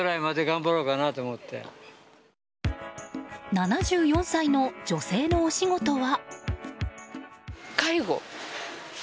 ７４歳の女性のお仕事は？